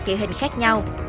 kỷ hình khác nhau